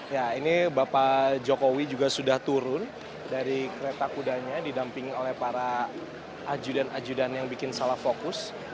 ya ini bapak jokowi juga sudah turun dari kereta kudanya didampingi oleh para ajudan ajudan yang bikin salah fokus